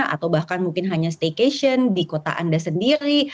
atau bahkan mungkin hanya staycation di kota anda sendiri